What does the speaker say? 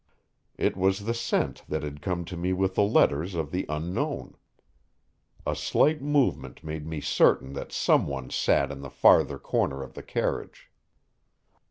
It was the scent that had come to me with the letters of the Unknown. A slight movement made me certain that some one sat in the farther corner of the carriage.